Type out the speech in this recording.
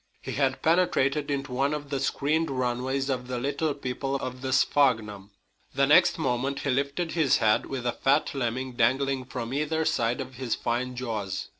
He had penetrated into one of the screened runways of the little people of the sphagnum. The next moment he lifted his head with a fat lemming dangling from either side of his fine jaws.